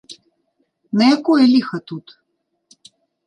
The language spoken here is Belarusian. На якое ліха тут?